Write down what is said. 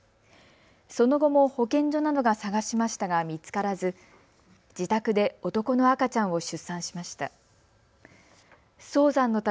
その後も保健所などが探しましたが見つからず自宅で男の赤ちゃんを出産しました。